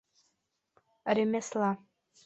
Ремесла.